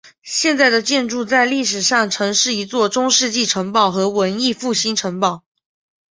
现在的建筑在历史上曾是一座中世纪城堡和文艺复兴城堡。